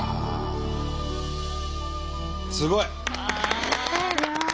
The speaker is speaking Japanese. すごい！